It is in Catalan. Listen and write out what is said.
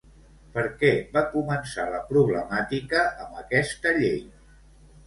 Per què va començar la problemàtica amb aquesta llei?